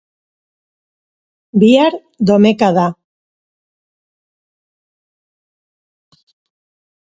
Bihar domeka da.